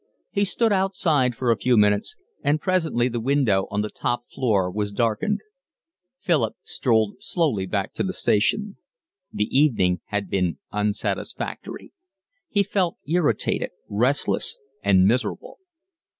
He stood outside for a few minutes, and presently the window on the top floor was darkened. Philip strolled slowly back to the station. The evening had been unsatisfactory. He felt irritated, restless, and miserable.